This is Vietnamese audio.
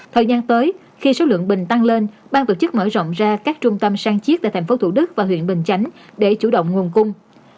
thời gian tới khi số lượng bình tăng lên bang tổ chức mở rộng ra các trung tâm sang chiếc tại tp thủ đức và huyện bình chánh để chủ động nguồn cung